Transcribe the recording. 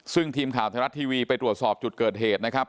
ซึ่งทีมข่าวไทยรัฐทีวีไปตรวจสอบจุดเกิดเหตุนะครับ